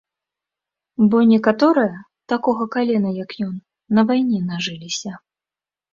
Бо некаторыя, такога калена як ён, на вайне нажыліся.